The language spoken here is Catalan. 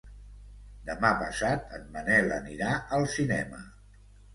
Demà passat en Manel anirà al cinema.